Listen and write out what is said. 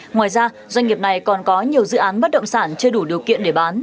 ngoài ra doanh nghiệp này còn có nhiều dự án bất động sản chưa đủ điều kiện để bán